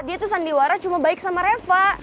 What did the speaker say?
dia tuh sandiwara cuma baik sama reva